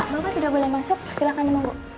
ma pak bapak tidak boleh masuk silahkan dengan bu